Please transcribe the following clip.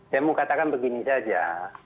saya mau katakan begini saja